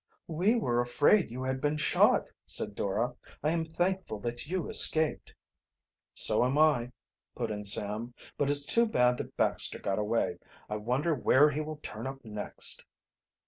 "We were afraid you had been shot," said Dora. "I am thankful that you escaped." "So am I," put in Sam. "But it's too bad that Baxter got away. I wonder where he will turn up next."